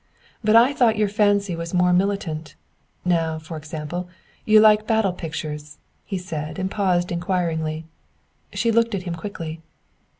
But I thought your fancy was more militant. Now, for example, you like battle pictures " he said, and paused inquiringly. She looked at him quickly.